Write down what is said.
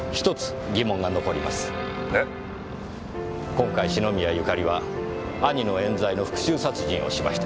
今回篠宮ゆかりは兄の冤罪の復讐殺人をしました。